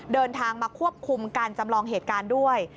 เดินทางมาควบคุมการจำลองเหตุการณ์ด้วย